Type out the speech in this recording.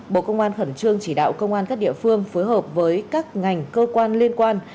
bộ công an khẩn trương chỉ đạo công an các địa phương phối hợp với các ngành cơ quan liên quan